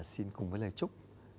xin cùng với lời chúc